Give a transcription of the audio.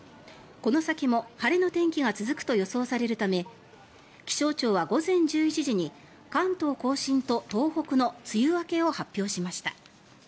この先も晴れの天気が続くと予想されるため気象庁は午前１１時に関東・甲信と東北の梅雨明けを発表しました。